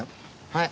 はい。